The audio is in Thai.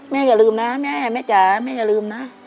อย่าลืมนะแม่แม่จ๋าแม่อย่าลืมนะ